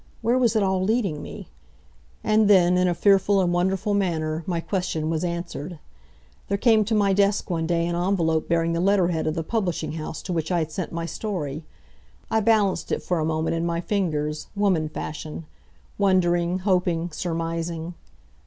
Where was it all leading me? And then, in a fearful and wonderful manner, my question was answered. There came to my desk one day an envelope bearing the letter head of the publishing house to which I had sent my story. I balanced it for a moment in my fingers, woman fashion, wondering, hoping, surmising.